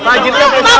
pak jip punya siapa